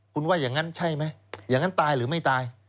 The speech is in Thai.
คุณว่าอย่างนั้นใช่ไหมอย่างนั้นตายหรือไม่ตาย